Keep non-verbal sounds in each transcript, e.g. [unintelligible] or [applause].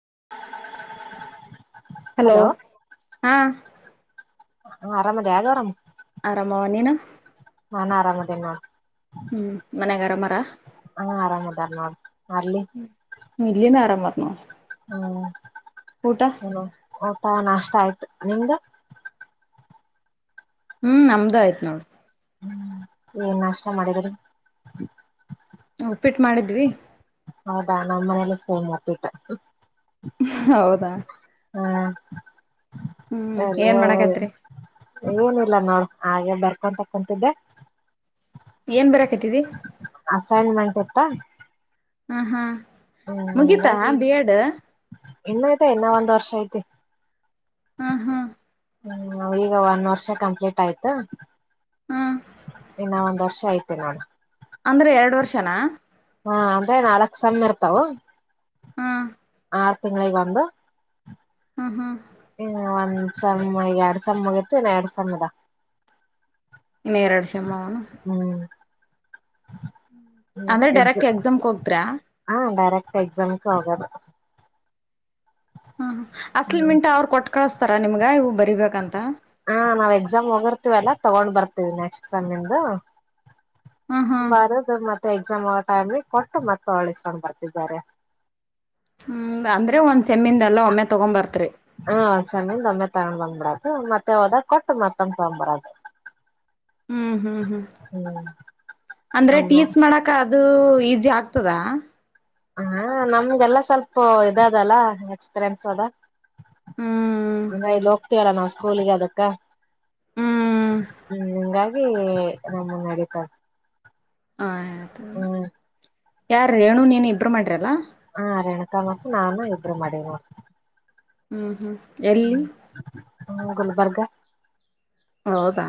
ನ ನ [inaudible] ಹಲೋ ಹಾ ಹ ಆರಾಮ್ ಅದೆ ಗೌರಮ್ಮ ಆರಾಮವ ನೀನು ನಾನಾ ಆರಾಮದೇನ್ ನೋಡ್ ಹ್ಮ್ ಮನ್ಯಾಗ ಆರಾಮಮರ ಹಾ ಆರಾಮ್ ಅದಾರ ನೋಡ್ ಅಲ್ಲಿ ಇಲ್ಲಿನು ಆರಾಮ್ ಆರ್ ನೋಡ್ ಹ್ಮ್ ಊಟ ಹ್ಮ ಊಟ ನಾಷ್ಟ ಆಯ್ತು ನಿಮ್ದ ಹ್ಮ್ ನಮ್ದ ಆಯ್ತ್ ನೋಡ್ ಹ್ಮ ಏನ್ ನಾಷ್ಟ ಮಾಡಿದ್ರಿ ಉಪ್ಪಿಟ್ಟು ಮಾಡಿದ್ವಿ ಹೌದಾ ನಾಮ್ಮನೆಲೂ ಸೇಮ್ ಉಪ್ಪಿಟ್ಟು ಹೌದಾ ಹ್ಮ್ ಹ್ಮ್ ಏನ್ ಮಾಡಕತೀರಿ ಏನಿಲ್ಲ ನೋಡ್ ಹಾಗೆ ಬರ್ಕೊಂತ ಕುಂತಿದ್ದೆ ಏನ್ ಬರಾಕತಿದಿ ಆ ಹಾ ಹಾ ಮುಗಿತಾ ಬಿ ಎಡ್ ಇನ್ನು ಐತಿ ಇನ್ನ ಒಂದ್ ವರ್ಷ ಐತಿ ಹಾ ಹಾ ಹ್ಮ್ ಈಗ ಒಂದ್ ವರ್ಷ ಕಂಪ್ಲೀಟ್ ಆಯ್ತು ಹ್ಮ್ ಇನ್ನ ಒ ದರ್ಷ ಐತಿ ನೋಡು ಅಂದ್ರೆ ಎರಡು ವರ್ಷನಾ ಹಾ ಅಂದ್ರೆ ನಾಲ್ಕ್ ಸಮ ಇರ್ತಾವ ಹಾ ಆರ್ ತಿಂಗಳಿಗ್ ಒಂದು ಹಾ ಹಾ ಒಂದ್ ಸೇಮ್ ಈಗ ಎರಡ್ ಸಮ್ಮಗಿತ್ತು ಇನ್ನ ಎರಡ್ ಸಮ ಇದ ಇನ್ ಎರಡ್ ಸೆ ಸೇಮ್ ಅವ್ ಅನ್ ಅಂದ್ರೆ ಡೈರೆಕ್ಟ್ ಎಕ್ಸಾಮ್ಗೆ ಹೋಗ್ತೀರಾ ಎಕ್ಸಾಮ್ ಕಾ ಹೋಗೋದು ಹ ಅಸಲ ಹ್ಮ್ ಮಿಂಟ್ ಅವ್ರು ಕೊಟ್ಟ ಕಳಸ್ ಥರ ನಿಮ್ಗ ಇವು ಬರೀಬೇಕಂತ ಹಾ ನಾವ್ ಎಕ್ಸಾಮ್ ಹೋಗಿರ್ತೀವಲ್ಲ ತಗೊಂಡ್ ಬರ್ತೀವಿ ನೆಕ್ಸ್ಟ್ ಸೆಮ್ಮ ಇಂದು ಹ್ಮ್ ಹ್ಮ್ ಬರದು ಮತ್ತೆ ಮ ಎಕ್ಸಾಮ್ ಟೈಮ್ ಕೊಟ್ಟು ಮತ್ತೆ ಒಲಿಸಿಕೊಂಡ್ಬರ್ತಿವಿ ಬ್ಯಾರೆ ಹ್ಮ ಅಂದ್ರೆ ಒಂದ್ ಸೆಮ್ಮಿಂದ ಎಲ್ಲ ಒಮ್ಮೆ ತಗೊಂಬರ್ತ್ರಿ ಹಾ ಒಂದ್ ಸೆಮ್ಮಿಂದ ಒಮ್ಮೆ ತಗೊಂಡ್ ಬಂದ್ಬಿಡದು ಮತ್ತೆ ಹೋದಾಗ ಕೊಟ್ಟು ಮತ್ತೊಂದ ತೋಮ್ಬರದು ಹ್ಮ್ ಹ್ಮ್ ಹ್ಮ್ ಅಂದ್ರೆ ಒಮ್ಮೆ ಟೀಚ್ ಮಾಡಾಕ ಅದು ಈಸಿ ಆಗ್ತ ತದಾ ಹಾ ನಮ್ಗೆಲ್ಲ ಸ್ವಲ್ಪ ಇದದಲ್ಲ ಎಕ್ಸ್ಪೀರಿಯನ್ಸ್ ಆದ ಹ್ಮ್ ಹಂಗ ಇಲ್ಲಿ ಹೋಗ್ತೀವಲ್ಲ ನಾವು ಸ್ಕೂಲಿಗೆ ಅದಕ್ಕ ಹ್ಮ್ ಹ್ಮ್ ಹಿಂಗಾಗಿ ನಮ್ಮವು ನಡಿತಾವ ಹಾ ಹ ಅದು ಯಾರು ರೇಣು ನೀನ್ ಇಬ್ಬರು ಮಾಡಿರಲ್ಲ ಹಾ ರೇಣುಕಾ ಮತ್ತು ನಾನು ಇಬ್ಬರು ಮಾಡುವಿ ನೋಡು ಹ್ಮ ಹ್ಮ್ ಎಲ್ಲಿ ಬರ್ಗ ಹೌದಾ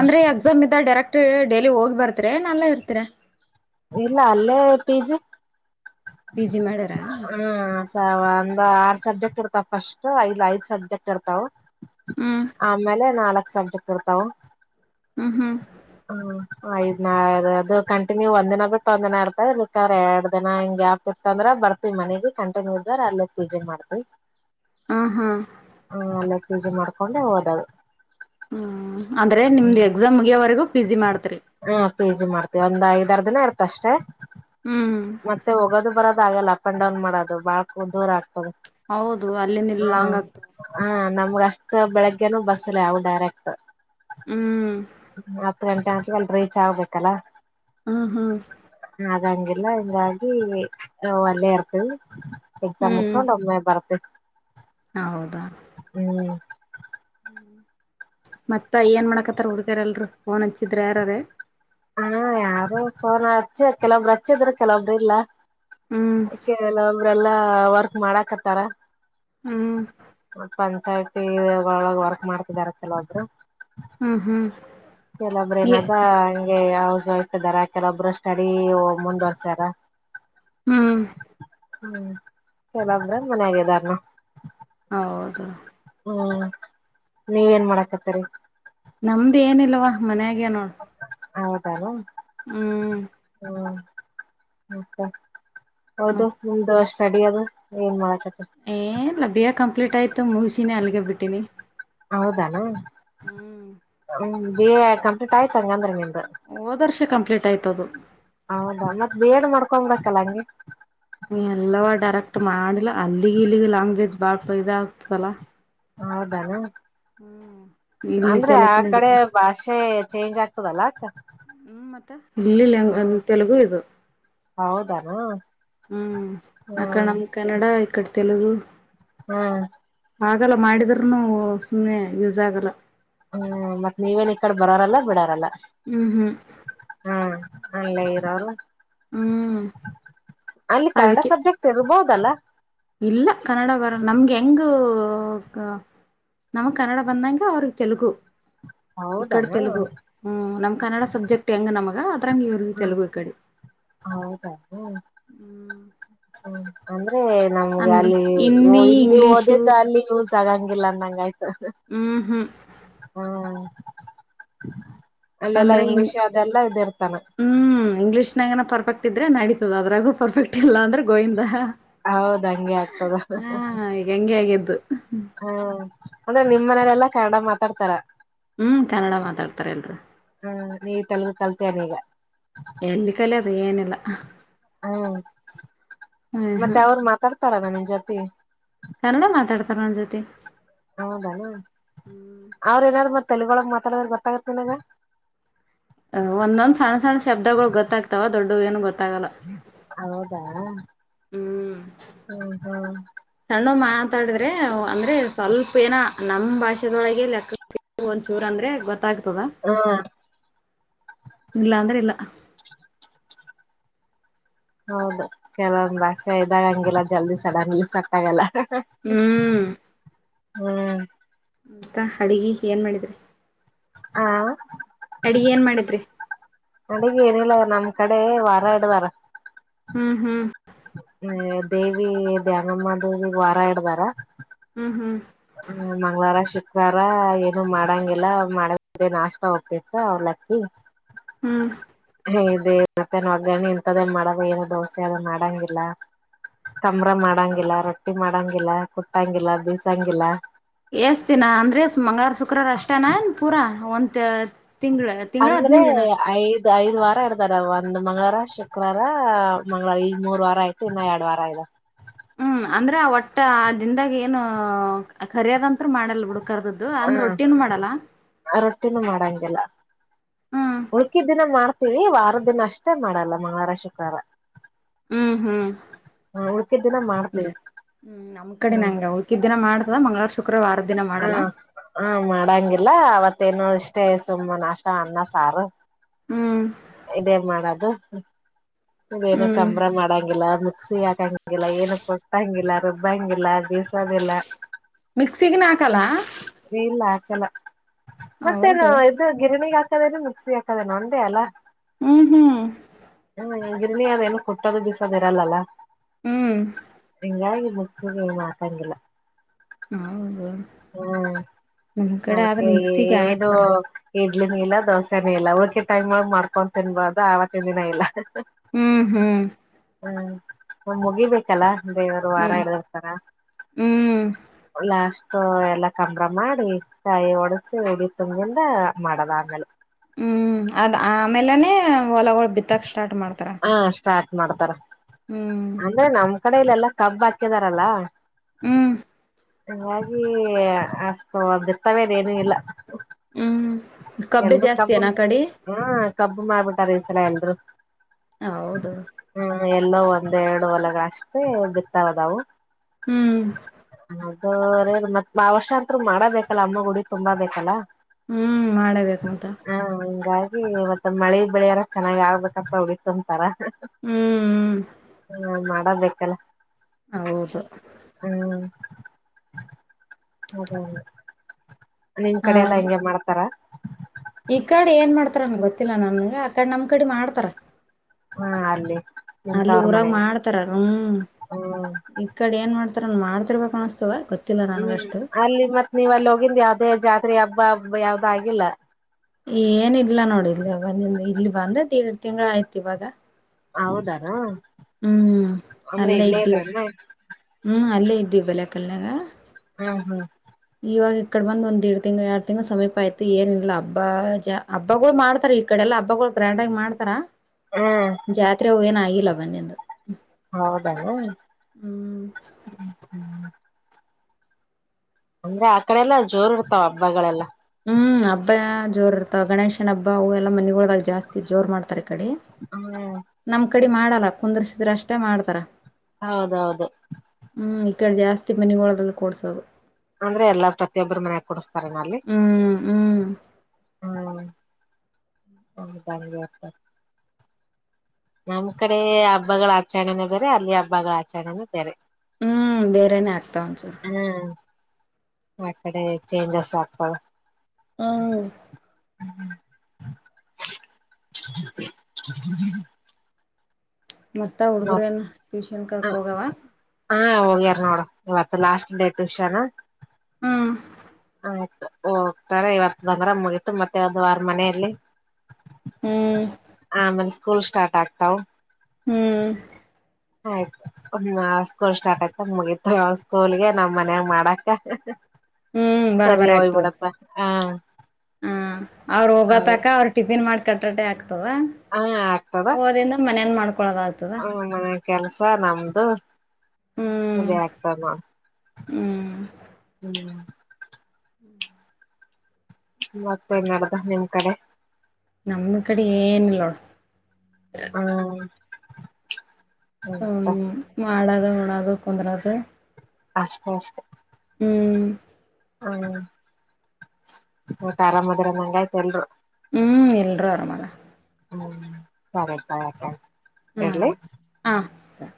ಅಂದ್ರೆ ಎಕ್ಸಾಮ್ ಇದ್ದ ಡೈರೆಕ್ಟ್ ಟ ಡೈಲಿ ಹೋಗಿ ಬರ್ತ್ರ ನಲ್ಲ ಇರ್ತರ ಇಲ್ಲ ಅಲ್ಲೇ ಪಿಜಿ. ಪಿ ಜಿ ಮಾಡ್ಯಾರ ಹ್ಮ ಸ ವಂದಾ ಸಬ್ಜೆಕ್ಟ್ ಇರ್ತಾವ ಫಸ್ಟ್ ಐದ್ ಐದ್ ಸಬ್ಜೆಕ್ಟ್ ಇರ್ತಾವ. ಹ್ಮ್ ಆಮೇಲೆ ನಾಲ್ಕ್ ಸಬ್ಜೆಕ್ಟ್ ಇರ್ತಾವ. ಹ್ಮ್ ಹ್ಮ್. ಹ್ಮ್ ಐದ್ನ ಅದ್ ಅದು ಕಂಟಿನ್ಯೂ ಒಂದ್ ದಿನ ಬಿಟ್ಟು ಒಂದ್ ದಿನ ಇರ್ತಕ್ಕ್ರ ಎರಡ್ ದಿನ ಹಂಗ್ಯಾಪ್ ಇತ್ತ ಅಂದ್ರ ಬರ್ತಿವಿ ಮನೆಗ ಕಂಟಿನ್ಯೂ ಇದ್ರ ಅಲ್ಲೆ ಪೂಜೆ ಮಾಡ್ತಿವಿ. ಹ ಹಾ. ಪೀ ಜಿ ಮಾಡ್ಕೊಂಡೆ ಓದದು. ಹ್ಮ್ ಅಂದ್ರೆ ನಿಮ್ದ್ ಹ್ಮ್ ಎಕ್ಸಾಮ್ ಮುಗಿಯವರೆಗು ಹಾ ಪೀಜಿ ಮಾಡ್ತೇವಿ ಅಂದಾಗೆ ಐದಾರ್ ದಿನ ಇರ್ತ್ ಅಷ್ಟೇ ಹ್ಮ್ ಮತ್ತೆ ಹೋಗೋದು ಬರ ಆಗಲ್ಲ ಅಪ್ ಅಂಡ್ ಡೌನ್ ಮಾಡೋದು ಬಾಳ್ಕ್ ದೂರ ಆಗ್ ಹೌದು ಅಲ್ಲಿಂದ್ ಇಲ್ಲಿ ಲಾಂಗ್ ಆಗ್ತ ನಮಗಷ್ಟ ಬೆಳಿಗ್ಗೆನು ಬಸ್ಸಿಲ್ಲ ಅವು ಡೈರೆಕ್ಟ್ ಹ್ಮ್ ಹತ್ತ್ ಗಂಟೆ ಆದ್ಮೇಲೆ ಅಲ್ ರೀಚ್ ಆಗ್ಬೇಕಲ್ಲಾ ಹಾ ಹಾ. ಎಲ್ಲ ಇಂಗಾಗಿ ನವಲ್ಲೇ ಇರ್ತೇವ್. ಎಕ್ಸಾಮ್ ಹ್ಮ್ ಮುಸ್ಕೊಂಡ್ ಒಮ್ಮೆ ಬರಬೇಕ ಹೌದಾ ಹ್ಮ್. [unintelligible] ಹ್ಮ ಮತ್ತ ಏನ್ ಮಾಡಕತ್ತಾರ ಹುಡುಗಿಯರ್ ಎಲ್ರು ಹಾ ಯಾರು ಫೋನ ಚೀದ್ರ್ ಕೆಲವಬ್ರ್ ರಚ್ಚಿದ್ರ ಕೆಲವಬ್ರ್ ಇಲ್ಲ. ಹ್ಮ್ ಓಕೆ ಎಲಲ ಇವ್ರೆಲ್ಲಾ ವರ್ಕ್ ಮಾಡಾಕತಾರ. ಹ್ಮ್ ಒನ್ ಪಂಚಾಯತ್ ಪೀಸಿಯಾಗ್ ಒಳಗ್ ವರ್ಕ್ ಮಾಡ್ತಿದಾರ ಕೆಲವೊಬ್ರು. ಹ್ಮ್ ಹ್ಮ್. ಕೆಲಬ್ರ ನೀ ಏನಾದ ಹಂಗೆಯ ಯಾವ್ ಸೊಯ್ತದಾರ ಕೆಲ ಒಬ್ಬ್ರ ಸ್ಟಡಿ ಒ ಮುಂದ್ವರ್ಸ್ಯಾರ. ಹ್ಮ್. ಹಮ್ ಕೆಲವೊಬ್ಬರು ಮನ್ಯಾಗ್ ಇದಾರ್ ರಿ ಹೌದು. ಹ್ಮ್ ನೀವೇನ್ ಮಾಡಕತ್ತರಿ. ನಮ್ದ್ ಏನಿಲ್ವಾ ಮನ್ಯಾಗೇ ನೋಡ್. ಹೌದಾನು ಹ್ಮ್. ಹ್ಮ ಮತ್ತ ಹೌದು ಮತ್ತೆ ನಿಮ್ದು ಸ್ಟಡಿ ದು ಏನ್ ಮಾಡಾಕ ಏನಿಲ ಬೇಗ ಕಂಪ್ಲೀಟ್ ಆಯತ ತ್ತ ಮುಗಿಸಿನೇ ಅಲ್ಗೆ ಬಿಟ್ಟಿನಿ ಹೌದ ನ ಹ್ಮ್ ಹ್ಮ ಬೇಗ ಕಂಪ್ಲೀಟ್ ಆಯ್ತ ಹಂಗಂದ್ರ ನಿಂದ ಹೋದ್ ವರ್ಷ ಕಂಪ್ಲೀಟ್ ಆಯ್ತು ಅದು ಹೌದಾ ಮತ್ತ ಬಿ ಎಡ್ ಮಾಡ್ಕ ಕೊಂಬೆಕಲ್ಲ ಹಂಗೆ ಎಲ್ಲವ ಡೈರೆಕ್ಟ್ ಮಾಡಿಲ್ಲ ಅಲ್ಲಿಗ ಇಲ್ಲಿಗ ಲ್ಯಾಂಗ್ವೇಜ್ ಬಾಳ್ [unintelligible] ಆಗ್ತದಲ್ಲ. ಹೌದನ ಇಲ್ಲಿ ಅಂದ್ರೆ ತೆಲುಗು ಆ ಕಡೆ ನಡೀತು ಭಾಷೆ ಚೇಂಜ್ ಆಗ್ತದಲ್ಲ ಅತ್ತ ಹ್ಮ್ ಮತ್ತೆ ಇಲ್ಲಿ ಲ್ಯಾಂಗ್ ತೆಲುಗು ಇದು ಹೌದಾನ ಹ್ಮ್ ಆಕ ಹ್ಮ್ ನಮ್ ಕನ್ನಡ ಅಕ್ಕಡೆ ತೆಲುಗು ಹ್ಮ್ ಆಗಲ್ಲ ಮಾಡಿದ್ರನು ಸುಮ್ಮನೆ ಯೂಸ್ ಆಗಲ್ಲ. ಹ್ಮ್ ಮತ್ ನೀವೇನ್ ಈ ಕಡೆ ಬರೋರಲ್ಲ ಬಿಡಾರಲ್ಲ ಹೂ ಹೂ ಹ್ಮ್ ಅಲ್ಲೇ ಇರೋರು ಅಲ್ಲಿ ಕನ್ನಡ ಅದಕ್ಕೆ ಸಬ್ಜೆಕ್ಟ್ ಇರ್ಬೋದಲ್ಲ. [inaudible] ಇಲ್ಲ ಕನ್ನಡ ಬರ [unintelligible] ನಮ್ಗೆ ಹೆಂಗು ನಮ್ಗೆ ಕನ್ನಡ ಬಂದಾಗ ಅವ್ರಿಗೆ ತೆಲುಗು. ಇ ಕಡೆ ಹೌದಾನ ತೆಲುಗು ಹ್ಮ್ ನಮ್ ಕನ್ನಡ ಸಬ್ಜೆಕ್ಟ್ ಹೆಂಗ ನಮಗ್ ಹಾ ಅದ್ರಂಗ ಇವ್ರಿಗೂ ತಲುಗು ಈ ಕಡೆ. ಹೌದಾತು [inaudible] ಹ್ಮ ಹಂಗ್ ಹೇ ನಮ್ಗೆ ಅಂದ್ರಿ ಅಲ್ಲಿ ಹಿಂದಿ ಇಲ್ಲಿ ಇಂಗ್ಲಿಷು ಹೋದೆದ ಅಲ್ಲಿ ಯೂಸ್ ತಗಂಗಿಲ್ಲ ಅಂದಂಗಾಯ್ತು ಹೂ ಹೂ ಹಾ ಅಲ್ಲೆಲ್ಲಾ ಅಂದ್ರೆ ಇಂಗ್ ಇಂಗ್ಲಿಷ್ ಅದೆಲ್ಲಾ ಇದಿರ್ತಾನ ನಂಗೆ ನಾ ಪರ್ಫೆಕ್ಟ್ ಇದ್ರೆ ನಡೀತದೆ ಅದ್ರಾಗೂ ಪರ್ಫೆಕ್ಟ್ ಇಲ್ಲ ಅಂದ್ರೆ ಗೋವಿಂದ. ಹೌದ ಹಂಗೆ ಆಗ್ತದ ಹಾ ಈಗ ಹೆಂಗೆ ಆಗಿದ್ದು ಹ್ಮ ಅಂದ್ರೆ ನಿಮ್ ಮನೇಲೆಲ್ಲಾ ಕನ್ನಡ ಮಾತಾಡ್ತಾರ ಹ್ಮ್ ಕನ್ನಡ ಮಾತಾಡ್ತಾರ ಎಲ್ರರ್ ಹ್ಮ್ ನೀ ತಲುಗ ಕಲ್ತನೆ ಈಗ ಏನಲ್ಲ ಹ್ಮ ಹ್ಮ್ ಮತ್ತೆ ಹ್ಮ್ ಅವರು ಮಾತಾಡ್ತಾರಲ್ಲ ನಿನ್ ಜೊತೆ [unintelligible] ಕನ್ನಡ ಮಾತಾಡ್ತಾರ ನನ್ ಜೊತೆ ಹೌದಣ ಹ್ಮ್ ಅವ್ರ ಏನಾದಾರು ಮತ್ ತೆಲುಗುವಳಗ ಮಾತಾಡದರ ಗೊತ್ತಾಗತ್ತ ನಿನಗ ಒಂದೊಂದ್ ಸಣ್ಣ ಸಣ್ಣ ಶಬ್ದಗಳು ಗೊತ್ತಾಗ್ತಾವ ದೊಡ್ಡ ಏನು ಗೊತ್ತಾಗಲ್ಲ ಹೌದಾ ಹ್ಮ್ ಹ್ಮ ಹ್ಮ್ ನಾವು ಮಾತಾಡಿದ್ರೆ ಅಂದ್ರೆ ಸ್ವಲ್ಪ ಏನ ನಮ್ ಭಾಷೆದೊಳಗೆ ಲೆಕ್ಕ ಒಂದಚೂರ್ ಅಂದ್ರೆ ಗೊತ್ತಾಗ ಹಾ ಇಲ್ಲ ಅಂದ್ರೆ ಇಲ್ಲ ಹೌದ ಕೆಲವೊಂದು ಭಾಷೆ ಇದ್ದಾಗ ಹಂಗಗೆಲ್ಲ ಜಲ್ದಿ ಸಡನ್ ಸಟ್ಟಾಗಲ್ಲ ಹ್ಮ್ ಹ್ಮ್ ಅಂತ ಅಡುಗೆ ಏನು ಮಾಡಿದ್ರಿ ಹಾ ಅಡಿಗೆ ಏನ್ ಮಾಡಿದ್ರಿ ಅಡಿಗೆ ಏನಿಲ್ಲ ನಮ್ ಕಡೆ ವಾರ ಇಡದಾರ್ ಹ್ಮ್ ಹ್ಮ್ ಹ ದೇವಿ ಧ್ಯಾನಮ್ಮ ದೇವಿ ವಾರ ಇಡದರ ಹ್ಮ ಹ್ಮ್ ಹ್ಮ ಮಂಗ್ಗಳವಾರ ಶುಕ್ರವಾರ ಏನು ಮಾಡಂಗಿಲ್ಲ ಮಾಡಾದೆ ನಾಷ್ಟಾ ಉಪಿಟ್ ಅವ್ಲಕ್ಕಿ ಹ್ಮ್ ಇದೆ ಮತ್ತ ಒಗ್ಗ ಇಂತದೇ ಮಾಡದ ಏನ ದೋಸೆ ಅದು ಮಾಡಂಗಿಲ್ಲ ಕಂಬ್ರ ಮಾಡಂಗಿಲ್ಲ ರೊಟ್ಟಿ ಮಾಡಂಗಿಲ್ಲ ಕುಟ್ಟಂಗಿಲ್ಲ ಬೀಸಂಗ ಇಲ್ಲಾ ಏಸ್ದಿನ ಅಂದ್ರೆ ಮಂಗಳವ ಶುಕ್ರಾರ ಅಷ್ಟೇನಾನ್ ಪೂರಾ ಒಂತ ಅಂದ್ರೆ ಐದು ಐದ ವಾರ ಇರ್ತದ ಒಂದ್ ಮಂಗಳರ ಶುಕ್ರವಾರ ಮಂಗ್ಗಳವ ಈಗ ಮೂರ್ ವಾರ ಆಯ್ತು ಇನ್ನ ಎರಡ್ ವಾರ ಆಇದವ್ ಹ್ಮ್ ಅಂದ್ರೆ ಒಟ್ ಅದಿಂದಾಗ ಏನು ಕರಿಯದಂತ ಮಾಡಲ್ ಬಿುಡ ಕರ್ದದ್ದು ಅಂದ್ರೆ ರೊಟ್ಟಿನು ಮಾಡಲ್ಲ ಇಲ್ಲ ಹ್ಮ್ ಉಳ್ಕಿದಿನ ಮಾಡ್ ವಾರದ ದಿನ ಅಷ್ಟೇ ಮಾಡಲ್ಲ ಮಂಗವಾರ ಶುಕ್ರಾರ ಹ್ಮ್ ಹ್ಮ್ ಉಳ್ಕಿದ್ ದಿನ ಇ ಮಾಡ್ತೀವಿ ಹ್ಮ್ ನಮ್ ಕಡೆ ನಂಗೆ ಊಳ್ಕಿದ ದಿನ ಮಾಡ್ತದ ಮಂಗ್ಗಳವಾರ ಹಾ ಹಾ ಮಾಡಾಂಗಿಲ್ಲ ಅವತ್ ತ್ತೇನು ಅಷ್ಟೇ ಸುಮ್ಮ ನಾಷ್ಟ ಅನ್ನ ಸಾರು ಹ್ಮ್ ಇದೇ ಮಾಡದ್ [inaudible] ಮ್ಮ್ ಏನ ಹ್ಮ್ ಕಂಬ್ರ ಮಾಡಂಗಿಲ್ಲ ಮಿಕ್ಸಿ ಹಾಕ್ [unintelligible] ಏನು ಕೊಟ್ಟಂಗಿಲ್ಲ ರುಬ್ಬಂಗಿಲ್ಲ ಬೇಸೋಂಗಿಲ್ಲ ಮಿಕ್ಸ್ ಸಿಗಣ ಹಾಕಲ್ಲ. ಮತ್ತೆ ನಾ ಹೌದು ಇದು ಗಿರಣಿಗ್ ಆಗ್ [unintelligible] ಮಿಕ್ಸಿ ಹಾಕದೇನೋ ಅಂದೆ ಅಲ. ಊ ಹ್ಮ್ ಪುಣ್ಯ ಅದೆನು ಕುಟ್ಟೋದು ಬಿಸೋದು ಇರಲ್ಲ ಅಲ. ಹ್ಮ್ ಹಿಂಗಾಗ್ ಮೀಕ್ಸಿಗ್ ಏನು ಹಾಕಂಗಿಲ್ಲ. ಹ್ಮ್ ಮ್ ಹೂ ಆದ್ರ ಮತ್ತೆ ಮಿಕ್ಸಿಗೆ ಏನು ಹಾಕ್ತಾರ ಇ ಇಡ್ಲಿನು ಇಲ್ಲ ದೋಸೆನು ಇಲ್ಲ ಉಳ್ದಿದ್ ಟೈಮ್ ಅಲ್ ಮಾಡ್ಕೊಂಡ್ ತಿನ್ಬೋದಾ ಅವತ್ತಿನ್ ದಿನ ಇಲ್ಲ. ಹ್ಮ್ ಹ್ಮ್ ಮ್ಮ್ ಒಂದ್ ಮುಗಿಬೇಕಲ್ಲ ದೇವರು ವಾರ ಹ್ಮ್ ಇರುತ್ತಲ ಹ್ಮ್ ಲಾಶ್ ತೋ ಎಲ್ಲ ಕಂಬ್ರ ಮಾಡಿ ಕಾಯಿ ಒಡಸಿ ಉಡಿ ತುಂಬಿಂದ ಮಾಡಲ್ ಆಗಲ್ ಹ್ಮ್ ಅದ್ ಆಮೇಲೆನೆ ಹೊಲಗಳು ಬಿತ್ತಕ್ ಶ್ ಹಾ ಸ್ಟಾರ್ಟ್ ಮಾಡ್ತಾರ. ಹ್ಮ್ ಅಂದ್ರೆ ನಮ್ ಆಕಡೆ ಇಲ್ಲೆಲ್ಲ ಕಬ್ಬ್ ಹಾಕಿದಾರಲ್ಲ. ಹ್ಮ್ ಹಂಗಾಗೀ ಅಷ್ಟು ಬಿತ್ತವೆದೇನು ಇಲ್ಲ. ಹ್ಮ್ ಕಬ್ಬೆ ಎಲ್ಲು ಜಾಸ್ತಿ ಕಬ್ಬು ಏನ ಮ್ ಆ ಕಡೆ ಹಾ ಕಬ್ಬು ಮಾರ್ಬಿಡ್ ಕರೀದ್ಸಣ ಎನ್ರು ಹ ಹೌದು ಎಲ್ಲೋ ಒಂದ್ ಎರಡು ಹೊಲದಾಗ ಅಷ್ಟೇ ಭಿತವು ಆದವು ಹ್ಮ್ ಅದೂ [unintelligible] ಮತ್ ವರ್ಷ್ ಅಂತ್ರು ಮಾಡಬೇಕಲ್ಲ ಅಮ್ಮ ಉಡಿ ತುಂಬು ಬೇಕಲ್ಲ ಹ್ಮ್ ಮಾಡಬೇಕ್ ಮತ್ತ ಇವತ್ತು ಮಳೆ ಬೆಳೆಯಾರ ಚೆನ್ನಾಗ್ ಆಗ್ಬೇಕಂತ ಉಡಿ ತುಂಬ್ತಾರ ಹ್ಮ್ ಹ ಮಾಡ್ ಬೇಕಲ್ಲ. ಹೌದು. ಹ್ಮ್ ಹ. ನಿಮ್ ಹಾ ಕಡೆ ಎಲ್ಲಾ ಹಂಗೆ ಮಾಡ್ತಾರ. ಈ ಕಡೆ ಏನ್ ಮಾಡ್ತಾರನ್ ಗೊತ್ತಿಲ್ಲಾ ನನ್ಗೆ ಆ ಕಡೆ ನಮ್ ಕಡೆ ಮಾಡ್ತಾರ. ಹಾ ಅಲ್ಲಿ ಅಲ್ಲಿ ನಿಂತವ್ರ ಊರಾಗ ಮನೇಲಿ ಮಾಡ್ತಾರ ಹ ಹ್ಮ್ ಈ ಕಡೆ ಏನ್ ಮಾಡ್ತ.. ಮಾಡ್ತಿರ್ಬೇಕು ಅನಿಸ್ತದ... ಹ್ಮ್ ಅಲ್ಲಿ ಮತ್ತ್ ನೀವ್ ಅಲ್ಲಿ ಹೋಗಿಂದ ಯಾವ್ದೇ ಜಾತಿ ಸ್ತ್ರೀ ಹಬ್ಬ ಹಬ್ಬ ಯಾವ್ದು ಆಗಿಲ್ಲ ಏನೀಲ್ಲಾ ನೋಡಿ ಇಲ್ ಬಂದ ಇಲ್ಲಿ ಬಂದ ದಿಡ್ದ್ ತಿಂಗಳ ಆಯ್ತು ಇವಾಗ ಹೌದು ಏನು ಹ್ಮ್ ಅಲ್ಲೇ ಇದ್ದು ಇದ್ರನ ಹ್ಮ್ ಅಲ್ಲೇ ಇದು ಬೆಲೆಕಲಿನ್ಯಾಗ್ ಹ್ಮ್ ಹ್ಮ್ ಇವಾಗ ಈ ಕಡೆ ಬಂದ ಡಿದ ತಿಂಗಳು ಎರಡು ತಿಂಗಳು ಸಮೀಪ ಆಯ್ತು ಏನಿಲ್ಲ ಹಬ್ಬ ಹಬ್ಬಗಳು ಮಾಡ್ತಾರ ಈ ಕಡೆ ಎಲ್ಲಾ ಹಬ್ಬಗಳು ಗ್ರ್ಯಾಂಡ್ ಆಗಿ ಮಾಡ್ತಾರ ಹ್ಮ್ ಜಾತ್ರೆ ಅವು ಏನಾಗಿಲ್ಲ ಮೊನ್ನೆದ್ ಹೌದ ಏನೂ. ಅಂದ್ರೆ ಆ ಕಡೆ ಎಲ್ಲಾ ಜೋರ್ ಇರ್ತಾವ ಹಬ್ಬಗಳೆಲ್ಲಾ. ಹ್ಮ್ ಹಬ್ಬ ಜೋರ್ ಇರ್ತಾವ ಗಣೇಶನ ಹಬ್ಬ ಅವು ಎಲ್ಲ ಮನೆಗಳಲ್ಲಿ ಜಾಸ್ತಿ ಜೋರ್ ಮಾಡ್ತಾರೆ. ಹ್ಮ್. ಇ ಕಡೆ ಮಾಡಲ್ಲ ಕುಂದ್ರಿಸಿದ್ರೆ ಅಷ್ಟೇ ಮಾಡ್ತಾರ. ಹೌಹೌದು. ಇ ಕಡೆ ಜಾಸ್ತಿ ಮನೆಗೋಳದಲ್ಲಿ ಕುಡಿಸೋದ್ದು ಕೊಡ್ಸೋದು. ಅಂದ್ರೆ ಎಲ್ಲಾ ಪ್ರತಿಯೊಬ್ಬರು ಮನೆಯಲ್ಲಿ ಕೊಡಸ್ತಾರೆನು ಅಲ್ಲಿ. ಹ್ಮ್ ಹ್ಮ್ ಹ್ಮ [inaudible] ನಮ್ ಕಡೆ ಹಬ್ಬಗಳ ಆಚರಣೆ ಬೇರೆ ಅಲ್ಲಿ ಹಬ್ಬಗಳ ಆಚರಣೆನ ಬೇರೆ. ಹ್ಮ್ ಬೇರೆೇನೆೇ ಆಗ್ತಾವ ಅನ್ಸುತ್ತೆ.... ಹ್ಮ್ ಆ ಕಡೆ ಚೇಂಜಸ್ ಆಗ್ತಾವ್ ಹ್ಮ [unintelligible] ಮತ್ತ ಹುಡ್ಗರು ಏನ್ ಟ್ಯೂಷನ್ ಕಲಿಯಾಕ್ ಹೋಗವು ಹೂ ನೋಡು ಇವತ್ತು ಲಾಸ್ಟ್ ಡೇ ಟ್ಯೂಷನ್ ಹ್ಮ ಆಯ್ತು ಹೋಗ್ತಾರೆ ಇವತ್ತು ಬಂದ್ರ ಮುಗೀತ್ತು ಮತ್ತೆ ಒಂದ್ ವಾರ ಮನೆಯಲ್ಲಿ ಹ್ಮ್ ಹ ಮಾ ಸ್ಕೂಲ್ ಸ್ಟಾರ್ಟ್ ಆಗ್ತಾವ ಹ್ಮ್ ಆಯ್ತು ಸ್ಕೂಲ್ ಸ್ಟಾರ್ಟ್ ಆಯಿತು ಮುಗೀತು ಸ್ಕೂಲ್ಗೆ ನಾವು ಮನೇಯಾಗ ಮಾಡಾಕ ಹ್ಮ್ ಸರಿ ಬರಬರ ಆಗ್ತದೆ ಹೋಗ್ಬಿಡತ್ತ ಹ ಅವ್ರ ಅ ಹೋಗತಕ ಅವರು ಟಿಫಿನ್ ಮಾಬೇಕ್. ಕಟ್ಟಟ ಆಕ್ ಹ ಆಗ್ತದ ಹೋದಿಂದ ಮನೇಲಿ ಮಾಡಬೇಕು ಕ್ಕೊಳದ ಆಗ್ತಾದ್ ಮನೆ ಕೆಲ್ಸ ನಮ್ದು ಅದೇ ಆಗ್ತದ ನೋಡ ಹ್ಮ ಹ್ಮ್. ಹ್ಮ್ ಮತ್ತೇನ್ ನಡಿದ ನಿಮ್ಮ್ ಕಡೆ ನಮ್ಮ ಕಡೆ ಏನಿಲ್ಲ ನೋಡ ಹ್ಮ ಹ್ಮ ಮಾಡೋದು ಉಣ್ಣೊದು ಕುಂದ್ರೋದು ಅಷ್ಟೇ ಅಷ್ಟೇ ಹ್ಮ. ಹ್ಮ್ ಮತ್ತ್ ಆರಾಮ ಅದರಂಗಾಯಿತು ಯಲ್ಲರು ಹ್ಮ್ ಎಲ್ರೂ ಆರಾಮ ಅದರ ಹ್ಮ್ ಸರಿ ಹ್ಮ್ ಇಡ್ಲಿ ಹ ಸರಿ